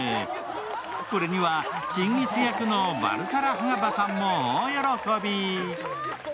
これにはチンギス役のバルサラハガバさんも大喜び。